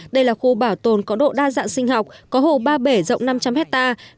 đây là khu bảo tồn có độ đa dạng sinh học có hồ ba bể rộng năm trăm linh hectare